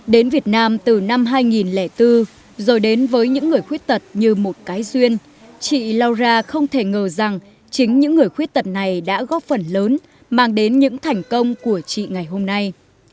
đến việt nam từ năm hai nghìn bốn rồi đến với những người khuyết tật như một cái duyên chị laura không thể ngờ rằng chính những người khuyết tật này đã góp phần lớn mang đến những thành công của chị ngày hôm nay